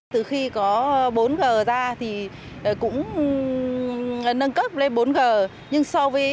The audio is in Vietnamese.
từ khi có bốn g ra thì cũng nâng cấp lên bốn g